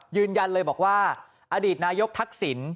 ยืนยันเลยบอกว่าอดีตนายกทักษิณ